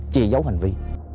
chia dấu hành vi